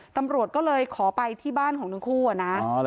ตำรวจก็เลยขอไปที่บ้านของทั้งคู่อะนะ